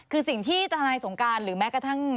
คือสิ่งที่ทนายสงการหรือแม้กระทั่ง